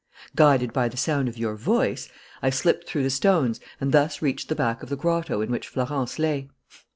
"Guided by the sound of your voice, I slipped through the stones and thus reached the back of the grotto in which Florence lay.